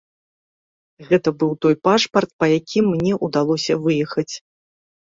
Гэта быў той пашпарт, па якім мне ўдалося выехаць.